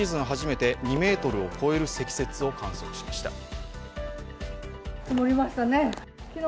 初めて２ｍを超える積雪を観測しました。